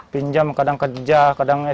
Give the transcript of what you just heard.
pinjam kadang kerja kadang smk gitu